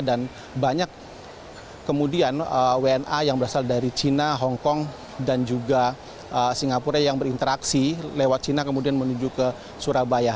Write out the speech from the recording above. dan banyak kemudian wna yang berasal dari cina hongkong dan juga singapura yang berinteraksi lewat cina kemudian menuju ke surabaya